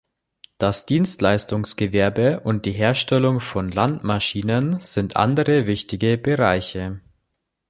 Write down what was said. Das Dienstleistungsgewerbe und die Herstellung von Landmaschinen sind andere wichtige Bereiche.